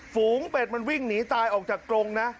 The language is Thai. ฝูงเป็ดมันวิ่งหนีตายออกจากกรงนะ